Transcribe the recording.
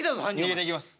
逃げていきます。